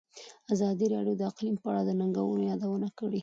ازادي راډیو د اقلیم په اړه د ننګونو یادونه کړې.